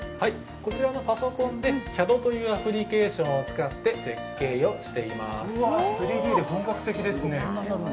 こちらのパソコンでＣＡＤというアプリケーションを使って３Ｄで本格的ですね。